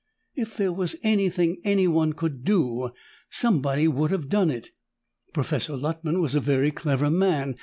If there was anything anyone could do, somebody would have done it. Professor Luttman was a very clever man.